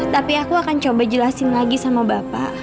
tapi aku akan coba jelasin lagi sama bapak